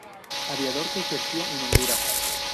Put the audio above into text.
Aviador que ejercía en Honduras.